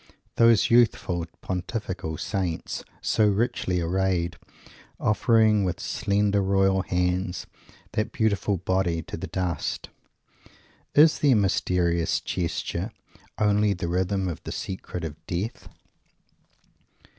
Those youthful pontifical saints, so richly arrayed, offering with slender royal hands that beautiful body to the dust is their mysterious gesture only the rhythm of the secret of Death?